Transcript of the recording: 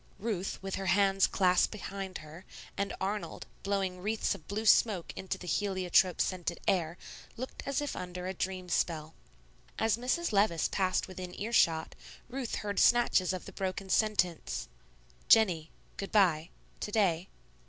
Ruth, with her hands clasped behind her, and Arnold, blowing wreaths of blue smoke into the heliotrope scented air, looked as if under a dream spell. As Mrs. Levice passed within ear shot, Ruth heard snatches of the broken sentence, "Jennie good by to day."